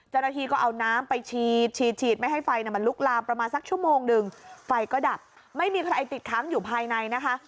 เจ้าหน้าที่ก็เอาน้ำไปฉีดฉีดไม่ให้ไฟมันลุกลามประมาณสักชั่วโมงหนึ่งไฟก็ดับไม่มีใครติดค้างอยู่ภายในนะคะ